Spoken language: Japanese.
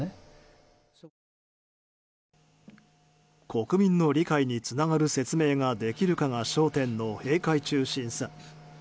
国民の理解につながる説明ができるかが焦点の閉会中審査。